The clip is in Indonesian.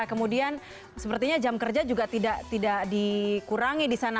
kemudian sepertinya jam kerja juga tidak dikurangi di sana